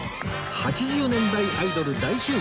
８０年代アイドル大集合！